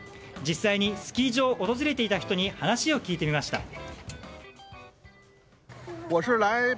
実際に、スキー場を訪れていた人に話を聞いてみました。